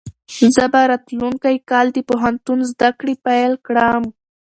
زه به راتلونکی کال د پوهنتون زده کړې پیل کړم.